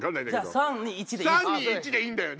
３・２・１でいいんだよな？